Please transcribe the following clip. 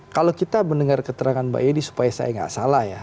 kalau kita mendengar keterangan mbak yeni supaya saya nggak salah ya